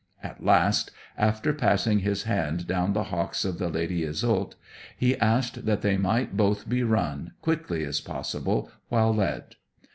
At last, after passing his hand down the hocks of the Lady Iseult, he asked that they might both be run, quickly as possible, while led.